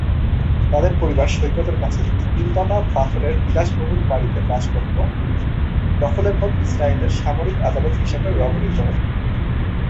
তাদের পরিবার সৈকতের কাছে একটি তিনতলা পাথরের বিলাসবহুল বাড়িতে বাস করত, দখলের পর ইস্রায়েলের সামরিক আদালত হিসাবে ব্যবহৃত হত।